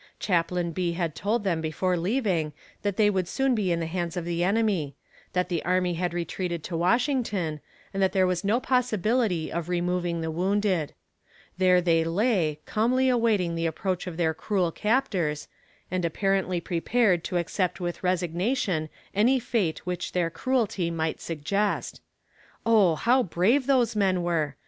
Chaplain B. had told them before leaving that they would soon be in the hands of the enemy that the army had retreated to Washington, and that there was no possibility of removing the wounded. There they lay, calmly awaiting the approach of their cruel captors, and apparently prepared to accept with resignation any fate which their cruelty might suggest. Oh, how brave those men were!